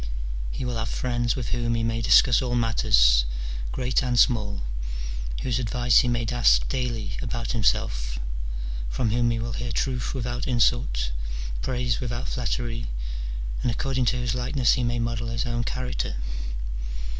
he will have friends with whom he may discuss all matters, great and small, whose advice he may ask daily about him self, from whom he will hear truth without insult, praise without flattery, and according to whose likeness he may model his own character.